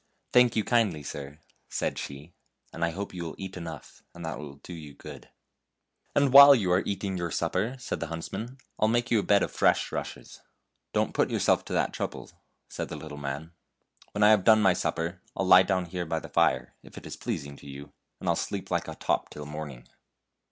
" Thank you kindly, sir," said she, " and I hope you will eat enough, and that it will do you good." THE HUNTSMAN'S SON 79 " And while you are eating your supper," said the huntsman, " I'll make you a bed of fresh rushes." " Don't put yourself to that trouble," said the little man. " When I have done my supper I'll lie down here by the fire, if it is pleasing to you, and I'll sleep like a top until morning.